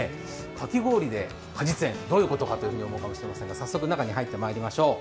かき氷で果実園、どういうことかということですが早速中に入ってまいりましょう。